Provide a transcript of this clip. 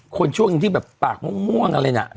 คนช่วงที่แบบปากม่วงอะไรนะ